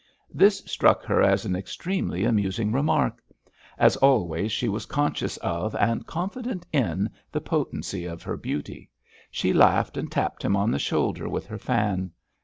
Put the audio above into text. This struck her as an extremely amusing remark. As always she was conscious of, and confident in, the potency of her beauty. She laughed and tapped him on the shoulder with her fan.